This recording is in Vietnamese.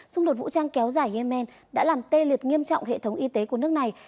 xung đột vũ trang kéo dài ở yemen đã làm tê liệt nghiêm trọng hệ thống y tế của nước này